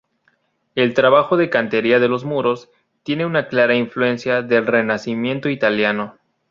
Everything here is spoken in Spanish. El trabajo de cantería de los muros tiene una clara influencia del Renacimiento italiano.